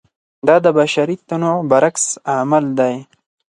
دا د بشري تنوع برعکس عمل دی.